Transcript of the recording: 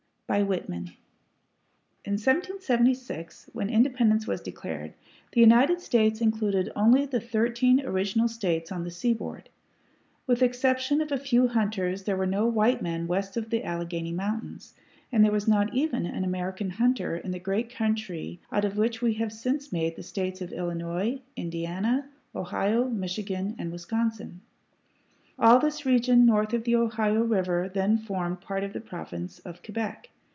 Whitman. In 1776, when independence was declared, the United States included only the thirteen original States on the seaboard. With the exception of a few hunters there were no white men west of the Alleghany Mountains, and there was not even an American hunter in the great country out of which we have since made the States of Illinois, Indiana, Ohio, Michigan, and Wisconsin. All this region north of the Ohio River then formed apart of the Province of Quebec.